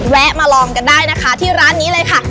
มาลองกันได้นะคะที่ร้านนี้เลยค่ะ